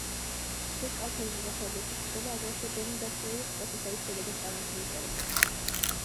მთის კალთებზე და ხეობებში გვხვდება აგრეთვე დენუდაციური პროცესების შედეგად წარმოქმნილი ტერასები.